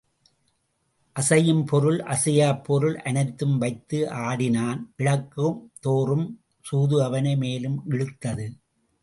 அசையும் பொருள் அசையாப்பொருள் அனைத்தும் வைத்து ஆடினான் இழக்கும்தோறும் குது அவனை மேலும் இழுத்தது.